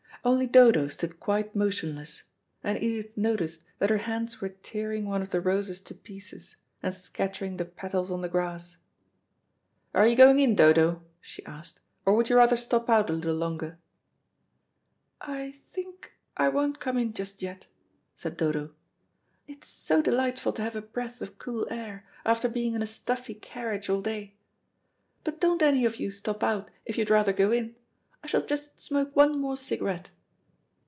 Only Dodo stood quite motionless, and Edith noticed that her hands were tearing one of the roses to pieces, and scattering the petals on the grass. "Are you going in, Dodo?" she asked; "or would you rather stop out a little longer?" "I think I won't come in just yet," said Dodo; "it's so delightful to have a breath of cool air, after being in a stuffy carriage all day. But don't any of you stop out if you'd rather go in. I shall just smoke one more cigarette."